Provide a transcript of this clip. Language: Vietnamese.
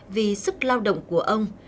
vì sức lao động của ông